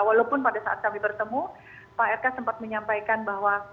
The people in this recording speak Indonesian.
walaupun pada saat kami bertemu pak rk sempat menyampaikan bahwa